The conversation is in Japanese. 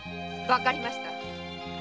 わかりました。